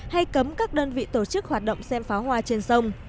hay cấm các đơn vị tổ chức hoạt động xem pháo hoa trên sông